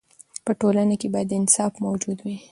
په ټولنه کې باید انصاف موجود وي.